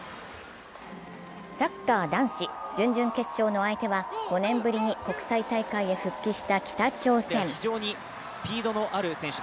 サッカー男子、準々決勝の相手は５年ぶりに国際大会に復帰した北朝鮮。